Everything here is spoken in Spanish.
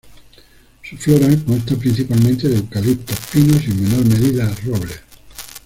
Su flora consta principalmente de eucaliptos, pinos, y en menor medida robles.